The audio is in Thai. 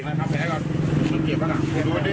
มีแขมแผลก่อนมันเก็บหรือเปล่า